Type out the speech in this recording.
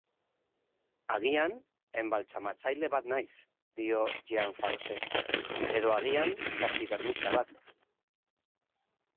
“Agian enbaltsamatzaile bat naiz”, dio Jean Pharosek. “Edo agian taxidermista bat..."